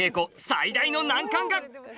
最大の難関が！？